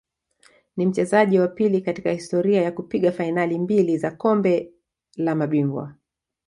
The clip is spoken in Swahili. Ni mchezaji wa pili katika historia ya kupiga fainali mbili za Kombe la Mabingwa